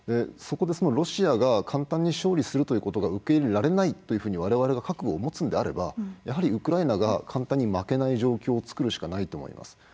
そこでロシアが簡単に勝利するということが受け入れられないっていうふうに我々が覚悟を持つのであればやはりウクライナが簡単に負けない状況を作るしかないと思います。